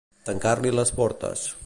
Tancar-li les portes.